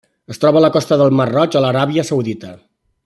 Es troba a la costa del mar Roig a l'Aràbia Saudita.